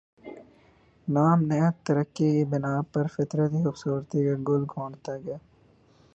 نام نہاد ترقی کی بنا پر فطری خوبصورتی کا گلا گھونٹتا گیا